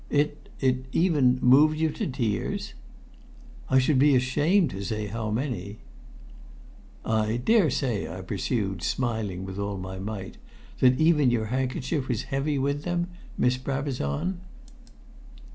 "It it even moved you to tears?" "I should be ashamed to say how many." "I daresay," I pursued, smiling with all my might, "that even your handkerchief was heavy with them, Miss Brabazon?"